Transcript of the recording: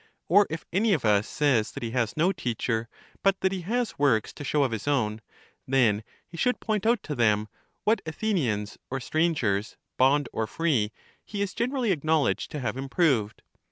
Or if any of us says that he has no teacher, but that he has works to show of his own; then he should point out to them, what Athenians or strangers, bond or free, he is generally acknowledged to have improved.